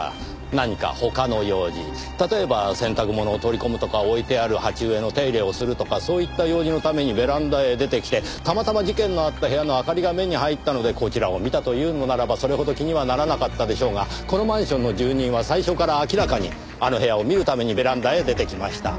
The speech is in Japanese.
例えば洗濯物を取り込むとか置いてある鉢植えの手入れをするとかそういった用事のためにベランダへ出てきてたまたま事件のあった部屋の明かりが目に入ったのでこちらを見たというのならばそれほど気にはならなかったでしょうがこのマンションの住人は最初から明らかにあの部屋を見るためにベランダへ出てきました。